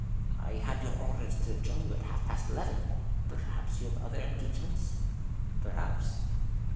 "I had your orders to join you at half past eleven. Perhaps you have other engagements?" "Perhaps."